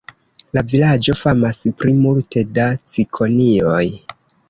La vilaĝo famas pri multe da cikonioj.